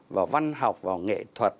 vào văn học vào nghệ thuật